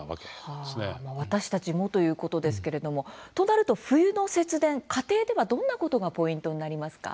私たちもということですけれどもとなると冬の節電家庭ではどんなことがポイントになりますか。